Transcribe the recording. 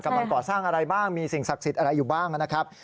กำลังก่อสร้างอะไรบ้างมีสิ่งศักดิ์สิทธิ์อะไรอยู่บ้างนะครับ